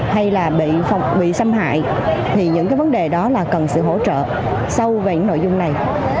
hay là bị xâm hại thì những cái vấn đề đó là cần sự hỗ trợ sâu về những nội dung này